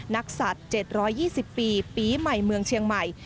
นักศัตริย์๗๒๐ปีปีใหม่เมืองเชียงใหม่